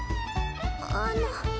あの。